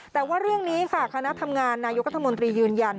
แต่ว่าเรื่องนี้ค่ะคณะทำงานนายกรัฐมนตรียืนยัน